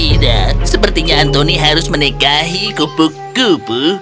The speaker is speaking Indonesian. oh tidak sepertinya anthony harus menikahi kupu kupu